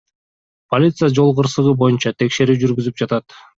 Полиция жол кырсыгы боюнча текшерүү жүргүзүп жатат.